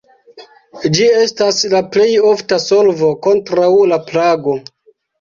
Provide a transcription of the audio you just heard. Ĝi estas la plej ofta solvo kontraŭ la plago.